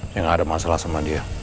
jangan ada masalah sama dia